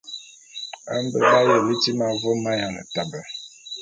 Mbé b'aye liti ma vôm m'ayiane tabe.